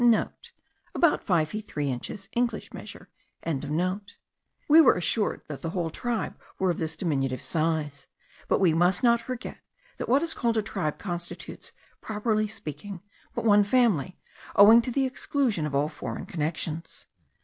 *(* About five feet three inches English measure.) We were assured that the whole tribe were of this diminutive size; but we must not forget that what is called a tribe constitutes, properly speaking, but one family, owing to the exclusion of all foreign connections.